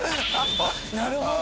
なるほど。